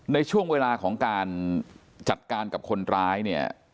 ในช่วงเวลาของการจัดการกับคนร้ายเนี่ย